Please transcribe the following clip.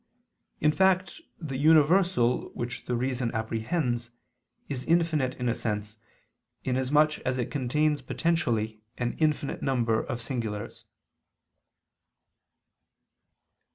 In fact the universal which the reason apprehends, is infinite in a sense, inasmuch as it contains potentially an infinite number of singulars.